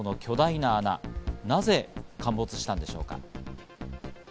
なぜ陥没したんでしょうか。